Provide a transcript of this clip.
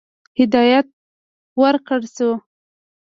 هدایت ورکړه شو.